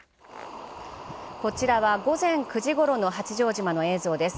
こちらは午前９時ごろの八丈島の映像です。